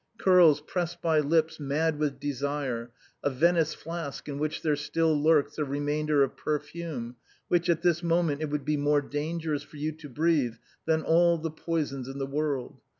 Curls pressed by lips mad with desire, a Venice flask in which there still lurks a remainder of perfume, which at this moment it would be more dangerous for you to breathe than all the poisons in the world.